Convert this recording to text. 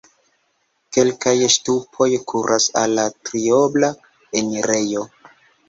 Kelkaj ŝtupoj kuras al la triobla enirejo.